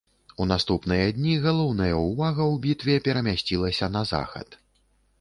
У наступныя дні галоўная ўвага ў бітве перамясцілася на захад.